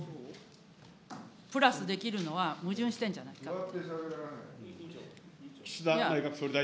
プラスできるのは矛盾してるんじゃないかって。